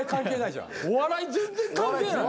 お笑い全然関係ない。